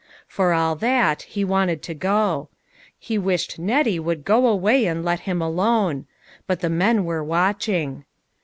For all that, he wanted to go. He wished Nettie would go away and let him alone. But the men were watching.